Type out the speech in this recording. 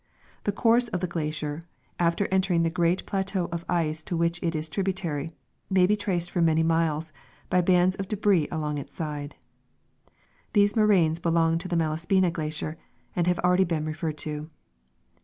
The course of the glacier, after entering the great plateau of ice to which it is tributary, may be traced for many miles by the bands of debris along its sides. These mo raines belong to the Malaspina glacier, and have already been referred to.